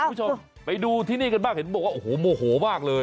คุณผู้ชมไปดูที่นี่กันบ้างเห็นบอกว่าโอ้โหโมโหมากเลย